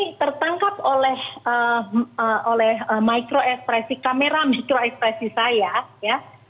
tapi tertangkap oleh micro ekspresi kamera mikro ekspresi saya ya